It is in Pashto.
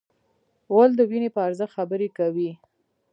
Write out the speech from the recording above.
غول د وینې په ارزښت خبرې کوي.